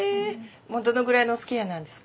もうどのぐらいのおつきあいなんですか？